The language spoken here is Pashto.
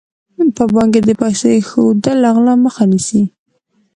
په بانک کې د پیسو ایښودل له غلا مخه نیسي.